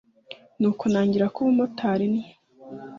nuko ntangira ak’ubumotari ntyo